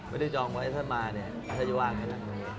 ไม่ได้จองไว้ถ้ามาเนี่ยก็จะว่างไว้นั่งมาเนี่ย